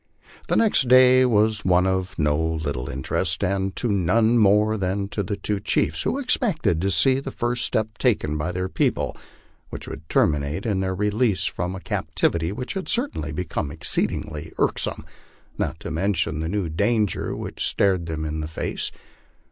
The next day was one of no little interest, and to none more than to the two chiefs, who expected to see the first step taken by their people which would terminate in their release from a captivity which had certainly become exceedingly irksome, not to mention the new danger which stared them in the face.